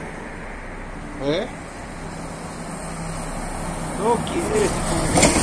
Dependiendo de sus tonos de colores estas significan distintas cosas.